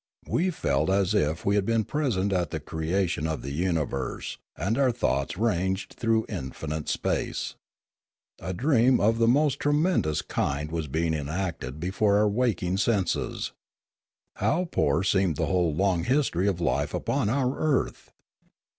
We felt as if we had been present at the creation of the universe and our thoughts ranged through infinite space. A dream of the most tremen dous kind was being enacted before our waking senses. How poor seemed the whole long history of life upon our earth!